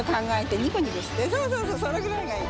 そうそうそうそれぐらいがいい。